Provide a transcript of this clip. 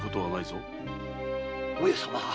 上様。